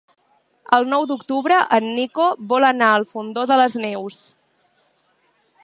El nou d'octubre en Nico vol anar al Fondó de les Neus.